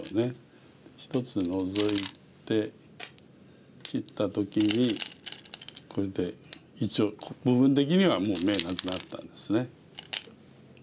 １つノゾいて切った時にこれで一応部分的には眼なくなったんですね。